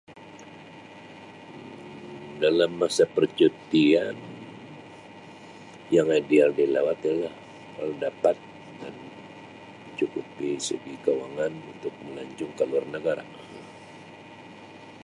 Um Dalam masa percutian yang [unintelligible] dilawat yalah kalau dapat dan cukup dari segi kewangan untuk melancong ke luar negara.